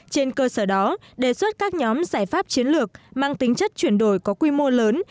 trên cơ sở đó đề xuất các nhóm giải pháp chiến lược mang tính chất chuyển đổi có quy mô lớn